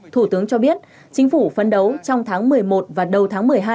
thủ tướng cho biết chính phủ phấn đấu trong tháng một mươi một và đầu tháng một mươi hai